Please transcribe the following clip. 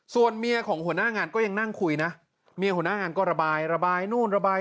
ส่วนเมียของหัวหน้างานก็ยังนั่งคุยนะเมียหัวหน้างานก็ระบายระบายนู่นระบาย